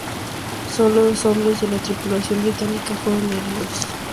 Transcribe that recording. Solo dos hombres de la tripulación británica fueron heridos.